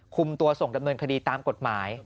คุมตัวส่งดำเนินคดีตามกฎหมาย